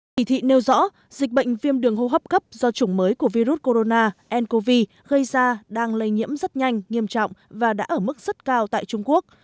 chỉ thị nêu rõ dịch bệnh viêm đường hô hấp cấp do chủng mới của virus corona ncov gây ra đang lây nhiễm rất nhanh nghiêm trọng và đã ở mức rất cao tại trung quốc